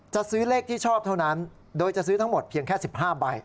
จะซื้อเลขที่ชอบเท่านั้นโดยจะซื้อทั้งหมดเพียงแค่๑๕ใบ